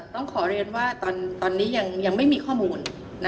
ต้องขอเรียนว่าตอนนี้ยังไม่มีข้อมูล